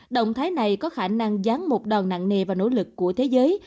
động thái này có khả năng dán một đòn nặng nề vào nỗ lực của thế giới